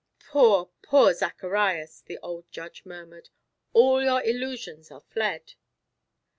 "Poor, poor Zacharias," the old Judge murmured, "all your illusions are fled."